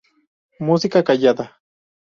Música callada.